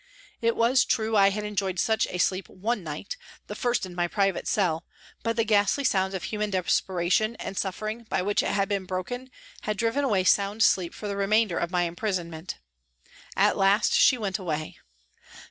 It was true I had enjoyed such a sleep one night, the first in my private cell, but the ghastly sounds of human desperation and suffering by which it had been broken had driven away sound sleep for the remainder of my imprison ment. At last she went away.